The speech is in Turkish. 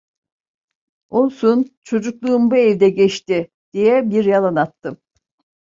"Olsun… Çocukluğum bu evde geçti!" diye bir yalan attım.